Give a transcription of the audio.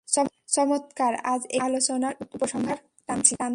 চমৎকার, আজ এখানেই আলোচনার উপসংহার টানছি।